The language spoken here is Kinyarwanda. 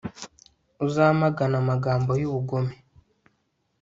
uzamagane amagambo y'ubugome